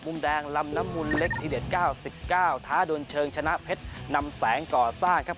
มุมแดงลำน้ำมุนเล็กทีเด็ด๙๙ท้าดวนเชิงชนะเพชรนำแสงก่อสร้างครับ